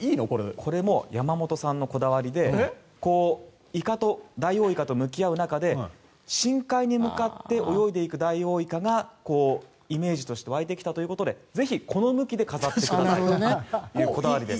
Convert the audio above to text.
これも山本さんのこだわりでダイオウイカと向き合う中で深海に向かって泳いでいくダイオウイカがイメージとして湧いてきたということでぜひこの向きで飾ってほしいというこだわりです。